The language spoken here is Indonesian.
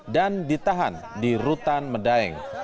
dan ditahan di rutan medaeng